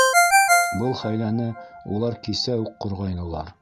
Был хәйләне улар кисә үк ҡорғайнылар.